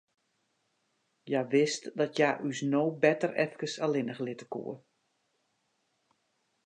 Hja wist dat hja ús no better efkes allinnich litte koe.